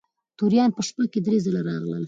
توریان په شپه کې درې ځله راغلل.